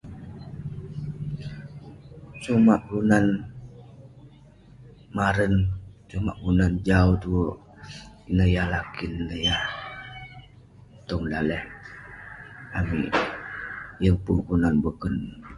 Sumak kelunan maren, sumak kelunan jau tue neh yah lakin ney yah tong daleh amik. Yeng pun kelunan boken.